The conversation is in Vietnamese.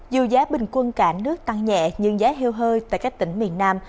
dù giá bình quân cả nước tăng nhẹ nhưng giá heo hơi tại các tỉnh miền nam